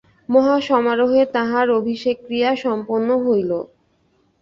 মহাসমারোহে তাঁহার অভিষেকক্রিয়া সম্পন্ন হইল।